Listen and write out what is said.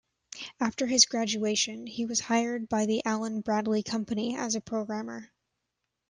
After his graduation, he was hired by the Allen-Bradley company as a programmer.